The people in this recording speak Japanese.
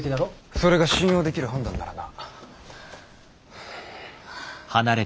それが信用できる判断ならな。